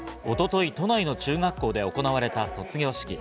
一昨日、都内の中学校で行われた卒業式。